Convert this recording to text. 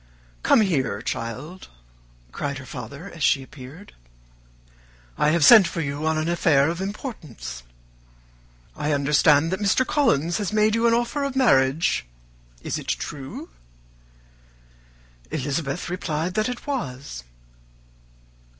"Come here, child," cried her father as she appeared. "I have sent for you on an affair of importance. I understand that Mr. Collins has made you an offer of marriage. Is it true?" Elizabeth replied that it was.